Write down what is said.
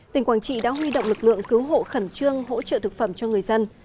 tỉnh quảng trị đã huy động lực lượng cứu hộ khẩn trương hỗ trợ thực phẩm cho người dân